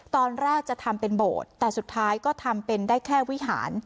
ตอนแรกจะทำเป็นโบสถ์แต่สุดท้ายก็ทำเป็นได้แค่วิหาร